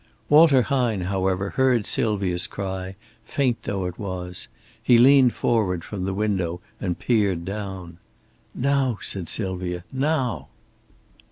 Walter Hine, however, heard Sylvia's cry, faint though it was. He leaned forward from the window and peered down. "Now!" said Sylvia. "Now!"